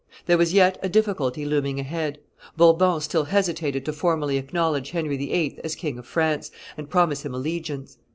There was yet a difficulty looming ahead. Bourbon still hesitated to formally acknowledge Henry VIII. as King of France, and promise him allegiance.